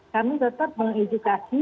kami tetap mengedukasi